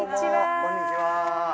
こんにちは。